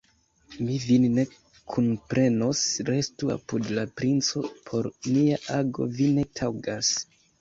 Mi vin ne kunprenos, restu apud la princo, por nia ago vi ne taŭgas.